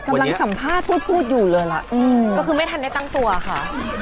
กำลังสัมภาษณ์พูดพูดอยู่เลยล่ะก็คือไม่ทันได้ตั้งตัวค่ะ